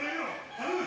頼む！